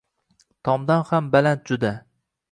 Tomdan ham baland juda!